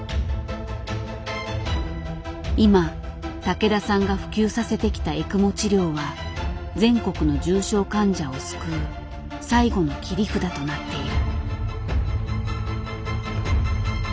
今竹田さんが普及させてきたエクモ治療は全国の重症患者を救う「最後の切り札」となっている。